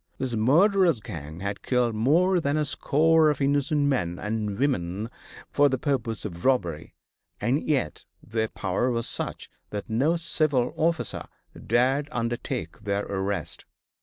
This murderous gang had killed more than a score of innocent men and women for the purpose of robbery, and yet their power was such that no civil officer dared undertake their arrest.